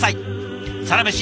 「サラメシ」